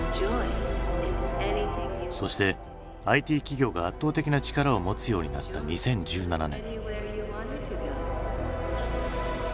そしてＩＴ企業が圧倒的な力を持つようになった２０１７年。